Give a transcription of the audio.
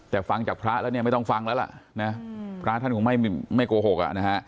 แต่ฟังจากพระแล้วไม่ต้องฟังแล้วล่ะพระท่านคงไม่โกหก